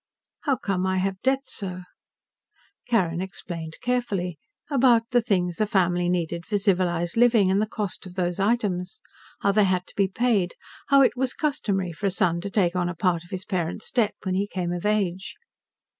"How come I have debts, sir?" Carrin explained carefully. About the things a family needed for civilized living, and the cost of those items. How they had to be paid. How it was customary for a son to take on a part of his parent's debt, when he came of age.